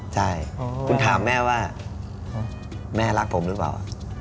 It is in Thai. ใช่คุณถามแม่ว่าแม่รักผมหรือเปล่า